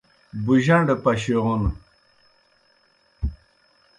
بُجݩڈہ پشِیون